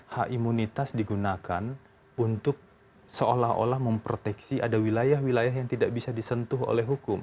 hak imunitas digunakan untuk seolah olah memproteksi ada wilayah wilayah yang tidak bisa disentuh oleh hukum